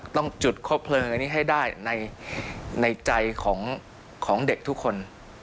ต้องจุดคบเพลิงอันนี้ให้ได้ในใจของเด็กทุกคน